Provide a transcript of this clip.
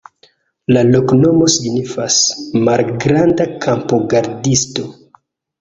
La loknomo signifas: malgranda-kampogardisto.